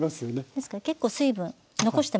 ですから結構水分残してますよね。